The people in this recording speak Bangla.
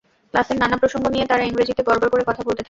ক্লাসের নানা প্রসঙ্গ নিয়ে তারা ইংরেজিতে গড়গড় করে কথা বলতে থাকে।